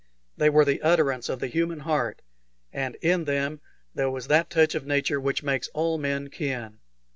They were the utterance of the human heart, and in them there was that touch of nature which makes all men kin.